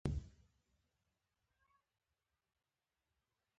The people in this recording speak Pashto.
د اساسي سرکونو موجودیت د محصولاتو لګښت را ټیټوي